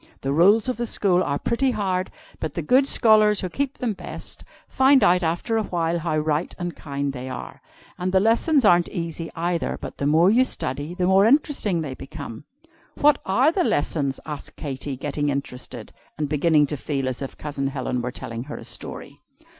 The rules of the school are pretty hard, but the good scholars, who keep them best, find out after a while how right and kind they are. And the lessons aren't easy, either, but the more you study the more interesting they become." "What are the lessons?" asked Katy, getting interested, and beginning to feel as if Cousin Helen were telling her a story.